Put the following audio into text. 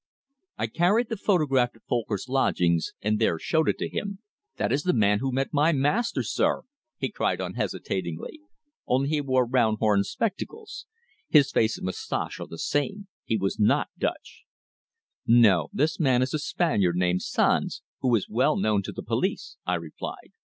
I carried the photograph to Folcker's lodgings and there showed it to him. "That is the man who met my master, sir!" he cried unhesitatingly. "Only he wore round horn spectacles. His face and moustache are the same. He was not Dutch." "No. This man is a Spaniard named Sanz, who is well known to the police," I replied.